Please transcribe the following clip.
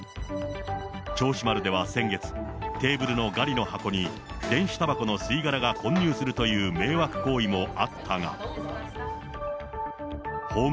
銚子丸では先月、テーブルのガリの箱に、電子たばこの吸い殻が混入するという迷惑行為もあったが。